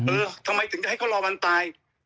เออทำไมถึงจะให้เขารอวันตาย